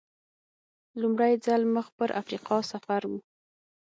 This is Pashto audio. لومړی ځل مخ پر افریقا سفر و.